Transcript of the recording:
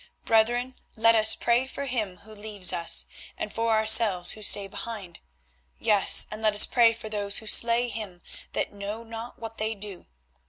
Brethren, let us pray for him who leaves us, and for ourselves who stay behind. Yes, and let us pray for those who slay him that know not what they do.